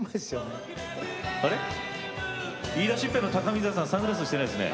言いだしっぺの高見沢さんサングラスしてないですね。